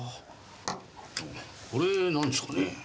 これ何ですかね？